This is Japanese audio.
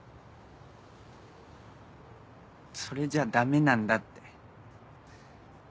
それじゃダメなんだって。